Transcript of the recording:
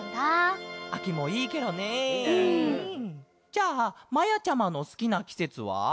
じゃあまやちゃまのすきなきせつは？